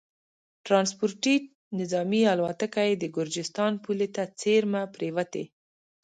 ټرانسپورټي نظامي الوتکه یې د ګرجستان پولې ته څېرمه پرېوتې